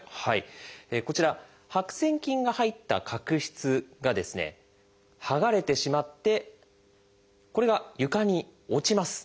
こちら白癬菌が入った角質が剥がれてしまってこれが床に落ちます。